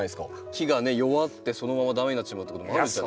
木が弱ってそのまま駄目になってしまうってこともあるんじゃないですか？